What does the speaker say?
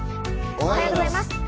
おはようございます。